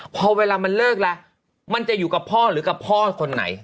พอเวลามันเลิกแล้วมันจะอยู่กับพ่อหรือกับพ่อคนไหน